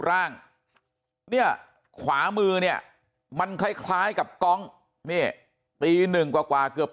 ร่างเนี่ยขวามือเนี่ยมันคล้ายกับกองเนี่ยตีหนึ่งกว่าเกือบ